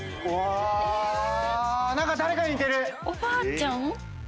おばあちゃん？